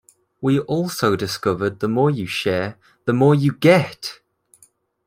We also discovered the more you share, the more you get!